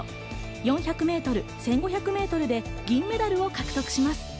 ４００ｍ、１５００ｍで銀メダルを獲得します。